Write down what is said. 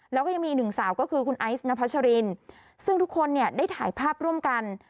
แล้วก็ยังมีอีกหนึ่งสาวก็คือคุณไอซ์นพัชรินซึ่งทุกคนเนี่ยได้ถ่ายภาพร่วมกัน